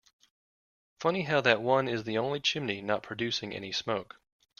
Funny how that one is the only chimney not producing any smoke.